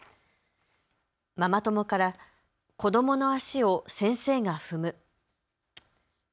ママ友から子どもの足を先生が踏む。